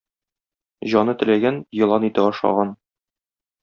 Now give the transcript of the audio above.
Җаны теләгән - елан ите ашаган.